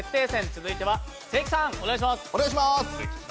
続いては関さん、お願いします。